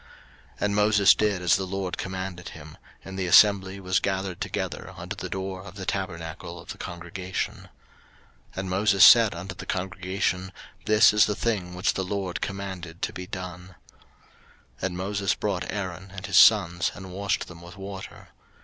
03:008:004 And Moses did as the LORD commanded him; and the assembly was gathered together unto the door of the tabernacle of the congregation. 03:008:005 And Moses said unto the congregation, This is the thing which the LORD commanded to be done. 03:008:006 And Moses brought Aaron and his sons, and washed them with water.